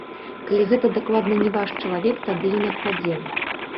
Калі гэта дакладна не ваш чалавек, тады ён адпадзе.